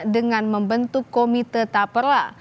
dengan membentuk komite taperla